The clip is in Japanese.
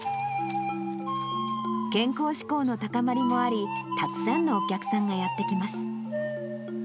健康志向の高まりもあり、たくさんのお客さんがやって来ます。